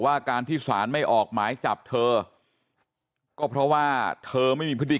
ว่าการที่สารไม่ออกหมายจับเธอก็เพราะว่าเธอไม่มีพฤติ